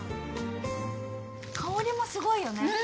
香りもすごいよね。